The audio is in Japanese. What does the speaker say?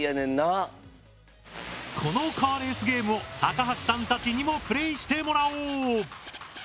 このカーレースゲームを高橋さんたちにもプレイしてもらおう！